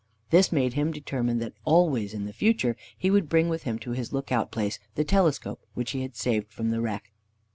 This made him determine that always in future he would bring with him to his lookout place the telescope which he had saved from the wreck.